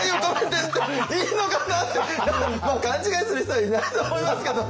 まあ勘違いする人はいないと思いますけどね。